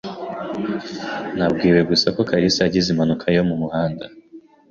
Nabwiwe gusa ko kalisa yagize impanuka yo mu muhanda.